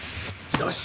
よし！